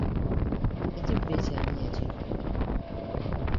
Ekibbo ekyo ani yakiruka?